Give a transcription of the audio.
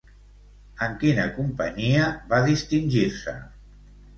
En quina companyia va distingir-se?